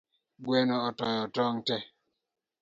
Gweno otoyo tong’ tee